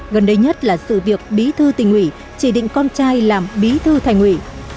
gần đây nhất là sự việc bí thư tỉnh ủy chỉ định con trai làm bí thư thành ủy